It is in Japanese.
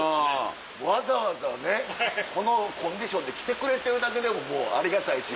わざわざねこのコンディションで来てくれてるだけでももうありがたいし。